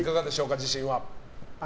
自信は。